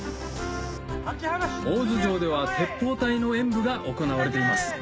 大洲城では鉄砲隊の演武が行われています